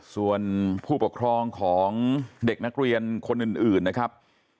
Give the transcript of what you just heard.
ส่วนผู้ปกครองของเด็กนักเรียนคนอื่นนะครับ